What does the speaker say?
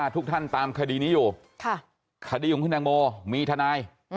ทุกท่านตามคดีนี้อยู่คดีของคุณแตงโมมีทนาย